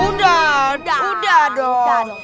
udah udah dong